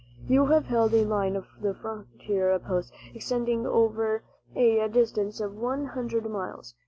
You have held a line of frontier posts extending over a distance of one hundred miles.